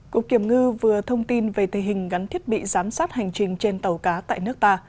cục kiểm ngư vừa thông tin về thể hình gắn thiết bị giám sát hành trình trên tàu cá tại nước ta